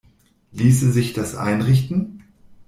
Ließe sich das einrichten?